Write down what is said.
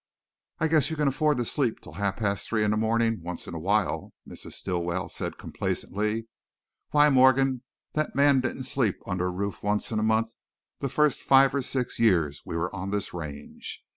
"I guess you can afford to sleep till half past three in the morning once in a while," Mrs. Stilwell said complacently. "Why, Mr. Morgan, that man didn't sleep under a roof once a month the first five or six years we were on this range!